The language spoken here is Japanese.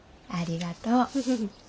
ありがとう。